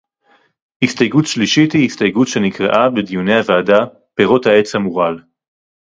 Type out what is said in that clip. הסתייגות שלישית היא הסתייגות שנקראה בדיוני הוועדה פירות העץ המורעל